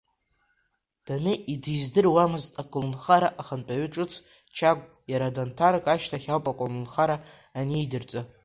Дамеи диздыруамызт аколнхара ахантәаҩы ҿыц Чагә, иара данҭарк ашьҭахь ауп аколнхара анеидырҵа.